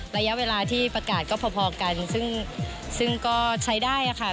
แล้วยาเวลาที่ประกาศดีกว่าก็พอกันซึ่งก็ใช้ได้เลยค่ะ